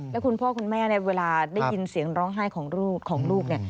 แล้วคุณพ่อคุณแม่เวลาได้ยินเสียงร้องไห้ของลูก